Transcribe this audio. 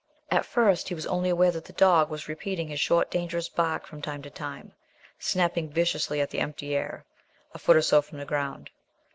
At first he was only aware that the dog was repeating his short dangerous bark from time to time, snapping viciously at the empty air, a foot or so from the ground.